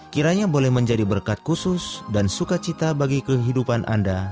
kiranya boleh menjadi berkat khusus dan sukacita bagi kehilangan kita